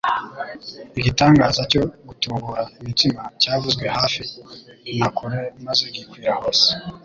Igitangaza cyo gutubura imitsima, cyavuzwe hafi na kure maze gikwira hose,